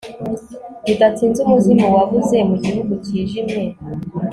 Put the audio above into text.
bidatinze, umuzimu wabuze mu gihu cyijimye